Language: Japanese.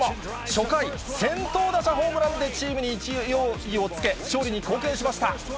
初回、先頭打者ホームランでチームに勢いをつけ、勝利に貢献しました。